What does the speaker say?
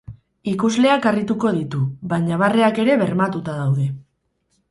Ikusleak harrituko ditu, baina barreak ere bermatuta daude.